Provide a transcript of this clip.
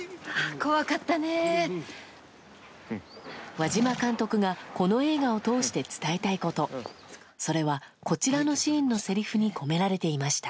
和島監督がこの映画を通して伝えたいことそれは、こちらのシーンのせりふに込められていました。